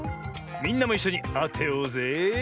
みんなもいっしょにあてようぜ。